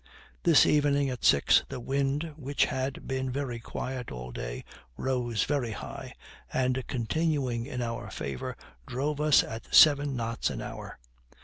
This evening at six the wind, which had been very quiet all day, rose very high, and continuing in our favor drove us seven knots an hour.